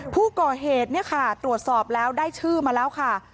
ผู้เกาะเหตุตรวจสอบแล้วได้ชื่อมาแล้วค่ะ